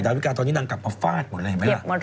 ดาร์วิกามตอนนี้กลับมาฟาดหมดแหล่ะ